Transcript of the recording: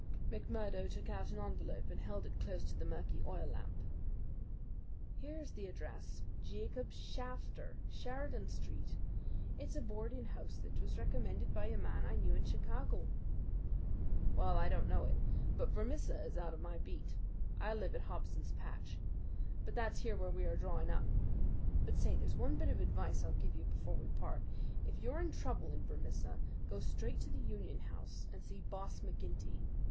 McMurdo took out an envelope and held it close to the murky oil lamp. "Here is the address Jacob Shafter, Sheridan Street. It's a boarding house that was recommended by a man I knew in Chicago." "Well, I don't know it; but Vermissa is out of my beat. I live at Hobson's Patch, and that's here where we are drawing up. But, say, there's one bit of advice I'll give you before we part: If you're in trouble in Vermissa, go straight to the Union House and see Boss McGinty.